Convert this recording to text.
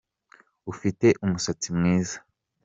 Ufite umusatsi mwiza